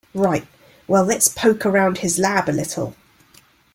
Right, well let's poke around his lab a little.